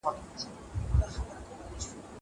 دا سړی پر بل سړی غوسه کوي